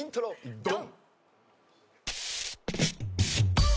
ドン！